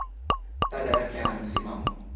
Dada yake hana msimamo